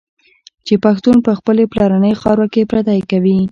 چي پښتون په خپلي پلرنۍ خاوره کي پردی کوي